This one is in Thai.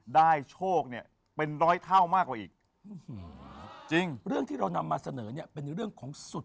ได้โชคเนี่ยเป็นร้อยเท่ามากกว่าอีก